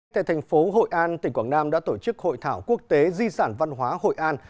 tại thành phố hội an tỉnh quảng nam đã tổ chức hội thảo quốc tế di sản văn hóa hội an